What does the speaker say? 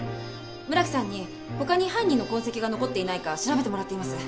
村木さんに他に犯人の痕跡が残っていないか調べてもらっています。